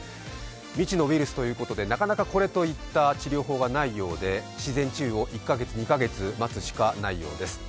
未知のウイルスということでなかなかこれといった治療法がないようで自然治癒を１か月、２か月待つしかないようです。